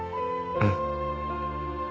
うん。